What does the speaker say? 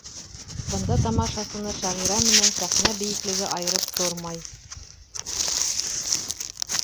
Бында тамашасыны шағирә менән сәхнә бейеклеге айырып тормай.